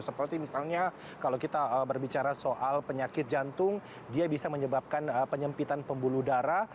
seperti misalnya kalau kita berbicara soal penyakit jantung dia bisa menyebabkan penyempitan pembuluh darah